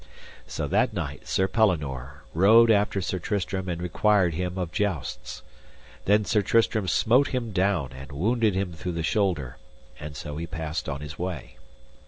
So that knight, Sir Pellinore, rode after Sir Tristram and required him of jousts. Then Sir Tristram smote him down and wounded him through the shoulder, and so he passed on his way.